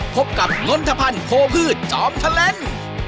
พบกับงลธพันธ์โภพืชจอมเทล็นด์